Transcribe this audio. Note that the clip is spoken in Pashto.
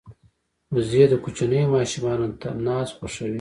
وزې د کوچنیو ماشومانو ناز خوښوي